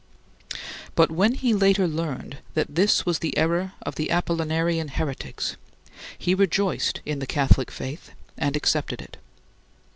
But when he later learned that this was the error of the Apollinarian heretics, he rejoiced in the Catholic faith and accepted it.